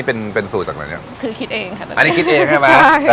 เป็นเป็นสูตรจากไหนเนี้ยคือคิดเองขนาดนั้นอันนี้คิดเองใช่ไหม